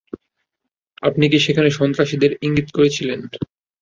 আপনি কি সেখানে সন্ত্রাসীদের ইঙ্গিত করেছিলেন?